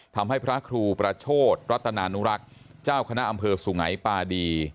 พระครูประโชธรัตนานุรักษ์เจ้าคณะอำเภอสุงัยปาดี